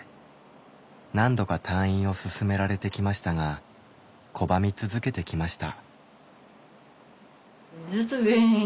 何度か退院を勧められてきましたが拒み続けてきました。